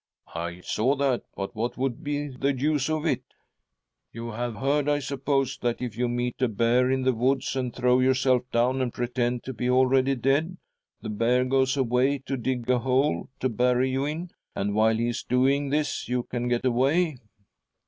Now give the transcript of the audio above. ' I saw that, but what would be the use of it ?'' You have heard, I suppose, that if you meet a bear in the woods, and, throw yourself down and pretend to be already dead, the bear goes away to dig a hole to bury you in, and, while he is doing this, you can get away.'